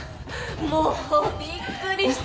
もうびっくりした。